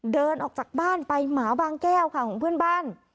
เดินออกจากบ้านไปหมาบางแก้วค่ะของเพื่อนบ้าน